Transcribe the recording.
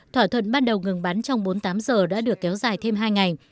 thỏa thuận ban đầu ngừng bắn trong bốn mươi tám giờ đã được kéo dài thêm hai ngày